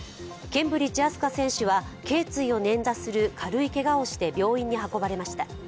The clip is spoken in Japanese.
ケンブリッジ飛鳥選手はけい椎を捻挫する軽いけがをして病院に運ばれました。